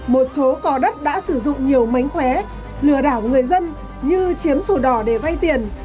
một số cò đất đã sử dụng nhiều mánh khóe lừa đảo người dân như chiếm sổ đỏ để vay tiền